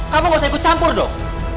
kamu gausah ikut campur dong